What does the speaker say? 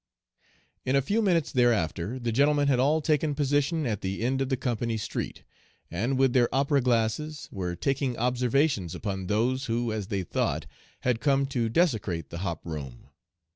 "In a few minutes thereafter the 'gentlemen' had all taken position at the end of the 'company street,' and, with their opera glasses, were taking observations upon those who, as they thought, had come to desecrate the 'hop' room.